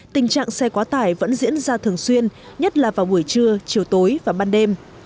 tình trạng xe quá tải vẫn diễn ra thường xuyên nhất là vào buổi trưa chiều tối và ban đêm